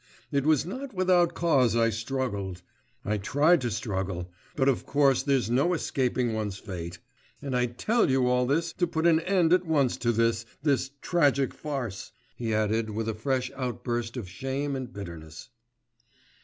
It was not without cause I struggled.... I tried to struggle; but of course there's no escaping one's fate. And I tell you all this to put an end at once to this ... this tragic farce,' he added with a fresh outburst of shame and bitterness.